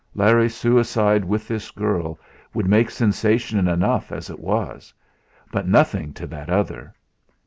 Larry's suicide with this girl would make sensation enough as it was; but nothing to that other.